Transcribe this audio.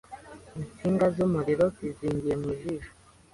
Inziga z'umuriro zizingiye mu jisho